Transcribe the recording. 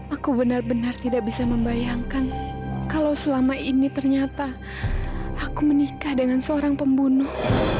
aku benar benar tidak bisa membayangkan kalau selama ini ternyata aku menikah dengan seorang pembunuh